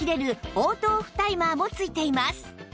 オートオフタイマーもついています